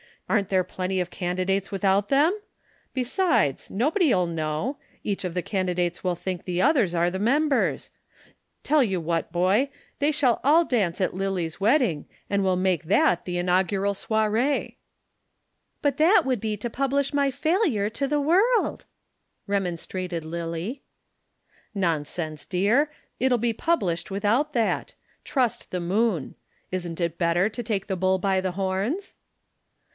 Aren't there plenty of candidates without them? Besides, nobody'll know. Each of the candidates will think the others are the members. Tell you what, boy, they shall all dance at Lillie's wedding, and we'll make that the inaugural soirée." "But that would be to publish my failure to the world," remonstrated Lillie. "Nonsense, dear. It'll be published without that. Trust the Moon. Isn't it better to take the bull by the horns?"